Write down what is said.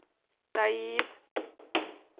— Таи-ис!